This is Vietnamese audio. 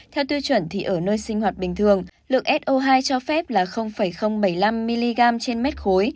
theo tiêu chuẩn thì ở nơi sinh hoạt bình thường lượng so hai cho phép là bảy mươi năm mg trên mét khối